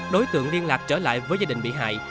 đối tượng liên lạc trở lại với gia đình bị hại